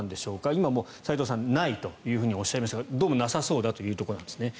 今も齋藤さんはないとおっしゃいましたがどうもなさそうだというところなんですね。